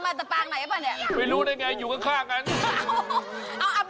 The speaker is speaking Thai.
ไม่มีอะไรไม่มีสิก็มีอยู่แล้วมลานน่ะ